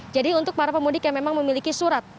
jadi untuk para pemudik yang memang memiliki surat